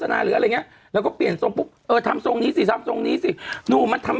ในรูปนี้ในรูปนี้ติดกาว